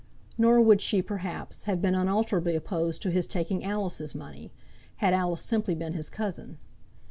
Nor would she, perhaps, have been unalterably opposed to his taking Alice's money, had Alice simply been his cousin.